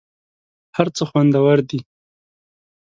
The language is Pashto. هر څه خوندور دي .